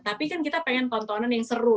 tapi kan kita pengen tontonan yang seru